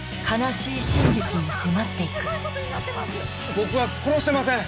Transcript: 僕は殺してません！